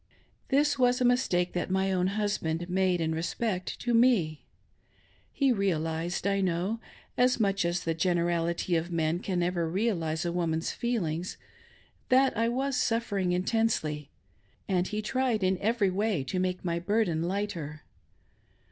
This was a mistake that my own husband made, in respect to me. He realised, I know — as much as the generality of men ever can realise of a woman's feelings — that I was suffering intensely, and he tried in every way to make my burden lighter.